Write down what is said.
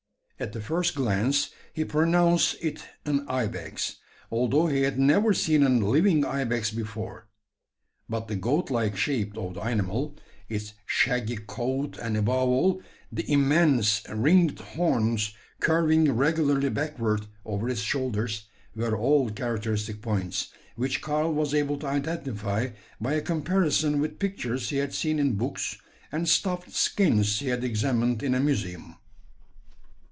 At the first glance he pronounced it an ibex; although he had never seen a living ibex before. But the goat like shape of the animal, its shaggy coat, and above all, the immense ringed horns curving regularly backward over its shoulders, were all characteristic points, which Karl was able to identify by a comparison with pictures he had seen in books, and stuffed skins he had examined in a museum.